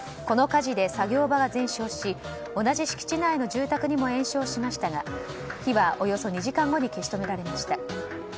この火事で、作業場が全焼し同じ敷地内の住宅にも延焼しましたが火はおよそ２時間後に消し止められました。